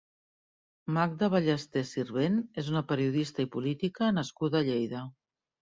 Magda Ballester Sirvent és una periodista i política nascuda a Lleida.